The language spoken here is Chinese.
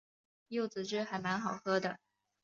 柚子汁还蛮好喝的